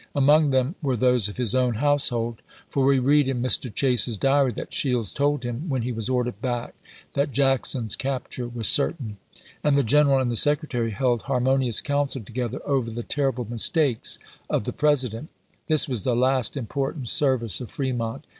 Among them were those of his own household ; for we read in warden, '." Life of Mr. Chase's diary that Shields told him, when he ^s ^p „ was ordered back, that "Jackson's capture was ?•'• 412 ABEAHAM LINCOLN CH. XXII. certain," and the general and the Secretary held harmonions council together over the " terrible mistakes " of the President. This was the last im portant service of Fremont.